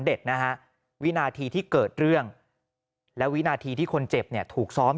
นะฮะวินาทีที่เกิดเรื่องแล้ววินาทีที่คนเจ็บเนี่ยถูกซ้อม